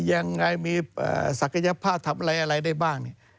ยังไงมีศักยภาพทำอะไรอะไรได้บ้าง